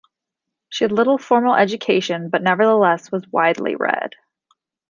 She had little formal education, but nevertheless was widely read.